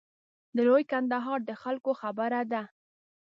د لوی کندهار د خلکو خبره ده.